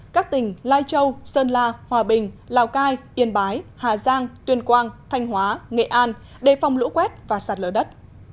các tỉnh lai châu sơn la hòa bình lào cai yên bái hà giang tuyên quang thanh hóa nghệ an đề phòng lũ quét và sạt lở đất